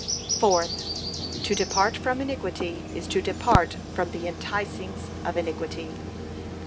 Fourth, To depart from iniquity is to depart from the ENTICINGS of iniquity.